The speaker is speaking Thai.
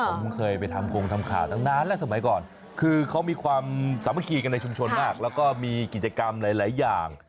ผมเคยไปทำคงทำข่าวตั้งนานแล้วสมัยก่อนคือเขามีความสามัคคีกันในชุมชนมากแล้วก็มีกิจกรรมหลายอย่าง